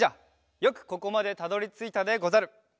よくここまでたどりついたでござる！